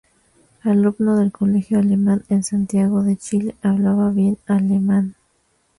Alumno del Colegio Alemán en Santiago de Chile, hablaba bien alemán.